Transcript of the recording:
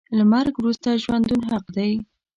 له مرګ وروسته ژوندون حق دی .